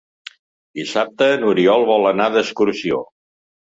Dissabte n'Oriol vol anar d'excursió.